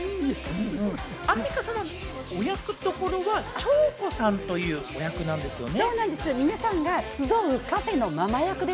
アンミカさんのお役どころは蝶子さんというお役なんですよね？